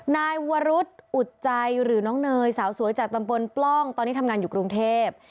นายวรุษอุดใจหรือน้องเนยสาวสวยจากตำบลปล้องตอนนี้ทำงานอยู่กรุงเทพ